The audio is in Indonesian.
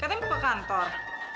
katanya mau ke kantor